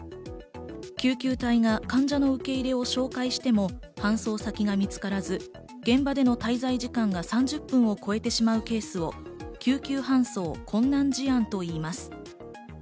救急隊が患者の受け入れを照会しても搬送先が見つからず、現場での滞在時間は３０分を超えてしまうケースを救急搬送困難事案といいます。